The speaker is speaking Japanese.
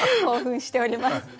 興奮しております。